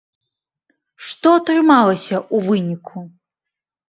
Што атрымалася ў выніку?